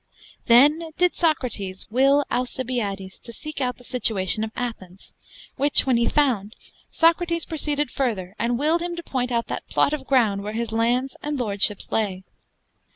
Then did Socrates will Alcibiades to seeke out the situation of Athens, which when he found Socrates proceeded further and willed him to point out that plot of ground where his lands and lordships lay.